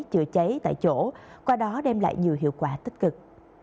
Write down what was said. chữa cháy tại chỗ qua đó đem lại nhiều hiệu quả tích cực